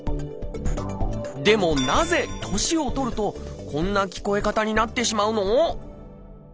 でもなぜ年を取るとこんな聞こえ方になってしまうの？